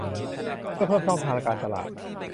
เพื่อเพิ่มช่องทางการตลาด